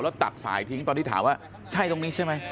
แล้วตัดสายทิ้งตอนที่ถามว่าใช่ตรงนี้ใช่ไหม